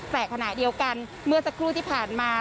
แต่ขณะเดียวกันเมื่อสักครู่ที่ผ่านมา